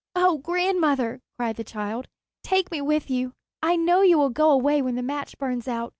"Oh, grandmother," cried the child, "take me with you. I know you will go away when the match burns out.